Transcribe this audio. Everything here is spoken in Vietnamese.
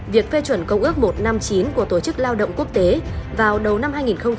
việc phê chuẩn công ước một trăm năm mươi chín của tổ chức lao động quốc tế vào đầu năm hai nghìn hai mươi